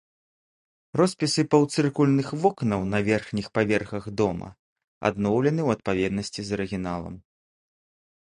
Роспісы паўцыркульных вокнаў на верхніх паверхах дома адноўлены ў адпаведнасці з арыгіналам.